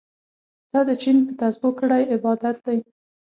تا د چين په تسبو کړی عبادت دی